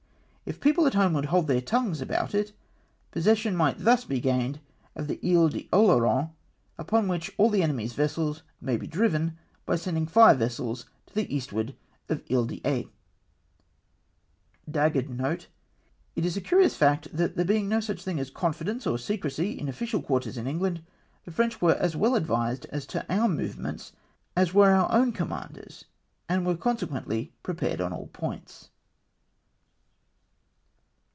If people at home would hold their tongues about itf, possession might thus be gained of the Isle d'Oleron, upon which all the enemy's vessels may be driven by sending fire vessels to the eastward of Isle d'Aix. * An Indiaman, recently captured by the French off St. Helena. f It is a curious fact, that there being no such thing as coniidence or secrecy in official quarters in England, the French Avere as well advised as to our movements as Avere our own commanders, and were consequently prepared at all points.